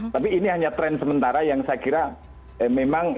tapi ini hanya tren sementara yang saya kira memang